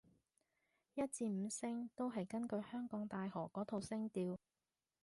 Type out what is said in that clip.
一至五聲都係根據香港大學嗰套聲調